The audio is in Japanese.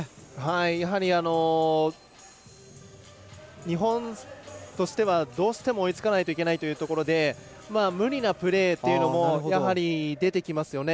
やはり、日本としてはどうしても追いつかないといけないというところで無理なプレーというのもやはり、出てきますよね。